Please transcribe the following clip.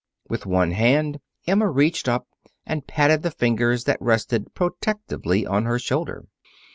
With one hand, Emma reached up and patted the fingers that rested protectingly on her shoulder.